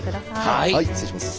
はい失礼します。